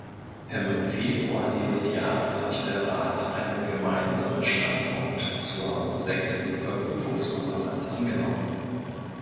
Im Februar dieses Jahres hat der Rat einen gemeinsamen Standpunkt zur Sechsten Überprüfungskonferenz angenommen.